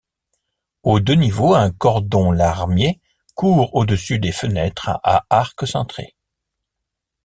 Aux deux niveaux, un cordon-larmier court au-dessus des fenêtres à arc cintré.